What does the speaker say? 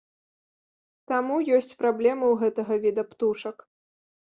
Таму ёсць праблемы ў гэтага віда птушак.